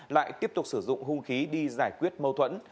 lại tiếp tục sử dụng hung khí đi giải quyết mâu thuẫn